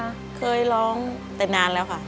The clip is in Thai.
เคยร้องแต่นานแล้วค่ะ